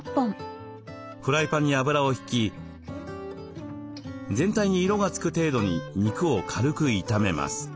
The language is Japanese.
フライパンに油を引き全体に色が付く程度に肉を軽く炒めます。